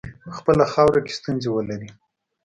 په خپله خاوره کې ستونزي ولري.